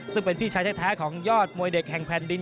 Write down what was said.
ซึ่งเป็นพี่ชายแท้ของยอดมวยเด็กแห่งแผ่นดิน